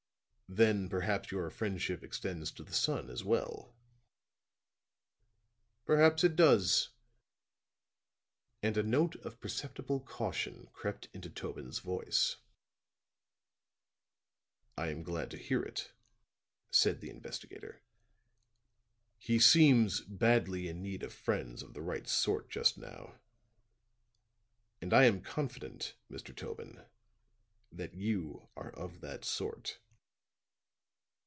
"Then perhaps your friendship extends to the son as well." "Perhaps it does," and a note of perceptible caution crept into Tobin's voice. "I am glad to hear it," said the investigator. "He seems badly in need of friends of the right sort just now; and I am confident, Mr. Tobin, that you are of that sort."